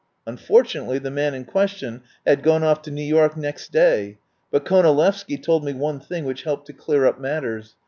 Un fortunately, the man in question had gone off to New York next day, but Konalevsky told me one thing which helped to clear up mat ters.